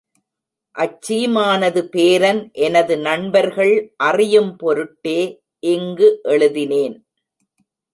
அச்சீமானது பேரன் எனது நண்பர்கள் அறியும் பொருட்டே இங்கு எழுதினேன்.